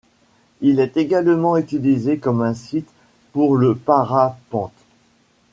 Il est également utilisé comme un site pour le parapente.